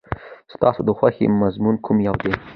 ستاسو د خوښې مضمون کوم یو دی؟